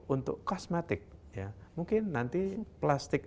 untuk kosmetik ya mungkin nanti plastik